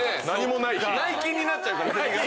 内勤になっちゃうから。